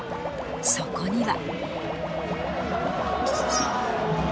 そこには